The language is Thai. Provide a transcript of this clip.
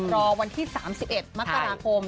รอวันที่๓๑มกราคม